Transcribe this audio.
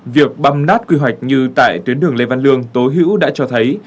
việc băm nát quy hoạch như tại tuyến đường lê văn lương tố hữu đã cho thấy